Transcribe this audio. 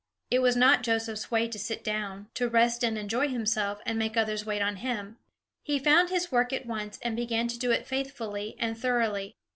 It was not Joseph's way to sit down, to rest and enjoy himself, and make others wait on him. He found his work at once, and began to do it faithfully and thoroughly.